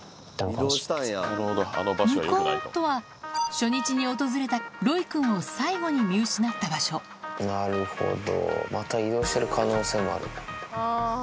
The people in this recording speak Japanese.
「向こう」とは初日に訪れたロイくんを最後に見失った場所なるほど。